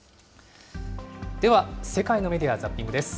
では世界のメディア・ザッピングです。